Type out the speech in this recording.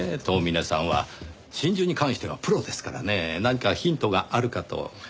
遠峰さんは真珠に関してはプロですからね何かヒントがあるかと。